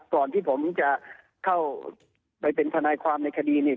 ก่อนที่ผมจะเข้าไปเป็นทนายความในคดีเนี่ย